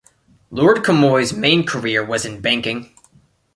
Lord Camoys' main career was in banking.